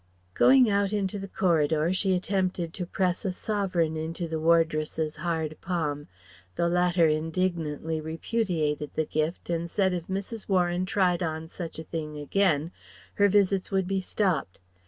Going out into the corridor, she attempted to press a sovereign into the wardress's hard palm. The latter indignantly repudiated the gift and said if Mrs. Warren tried on such a thing again, her visits would be stopped.